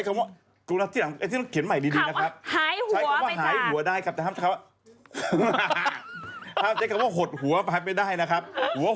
ของจะหายหัวเออหายหัว